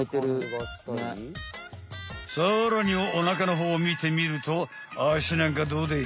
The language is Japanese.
さらにおなかのほうを見てみるとあしなんかどうでい？